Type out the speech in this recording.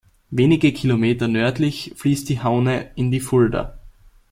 Wenige Kilometer nördlich fließt die Haune in die Fulda.